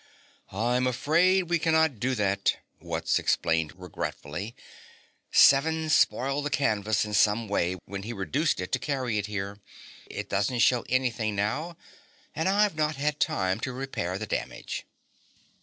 "I am afraid we cannot do that," Wutz explained regretfully. "Seven spoiled the canvas in some way when he reduced it to carry it here. It doesn't show anything now and I've not had time to repair the damage."